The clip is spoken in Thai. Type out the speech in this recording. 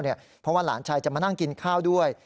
เพราะว่าหลานชายจะมานั่งกินข้าวด้วย